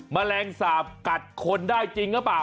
แมลงสาปกัดคนได้จริงหรือเปล่า